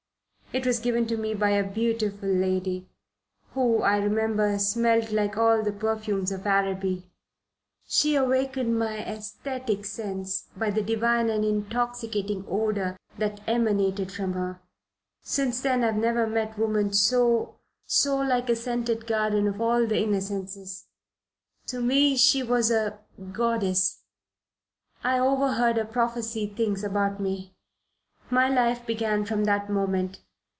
It was given to me by a beautiful lady, who, I remember, smelled like all the perfumes of Araby. She awakened my aesthetic sense by the divine and intoxicating odour that emanated from her. Since then I have never met woman so so like a scented garden of all the innocences. To me she was a goddess. I overheard her prophesy things about me. My life began from that moment.